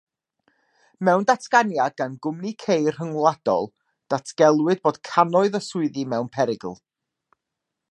Mewn datganiad gan gwmni ceir rhyngwladol, datgelwyd bod cannoedd o swyddi mewn perygl.